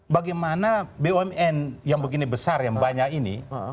bagaimana bumn yang begini besar yang banyak ini